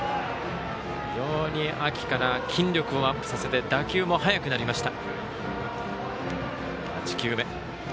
非常に秋から筋力をアップさせて打球も速くなりました。